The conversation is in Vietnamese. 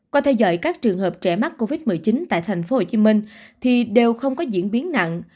qua theo dõi các trường hợp trẻ mắc covid một mươi chín tại tp hcm thì đều không có diễn biến nặng